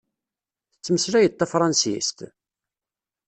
Tettmeslayeḍ tafransist?